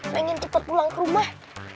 pengen cepat pulang ke rumah